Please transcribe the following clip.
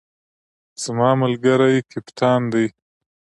زما ملګری کپتان دی